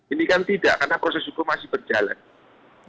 ini kan tidak karena proses hukum masih berjalan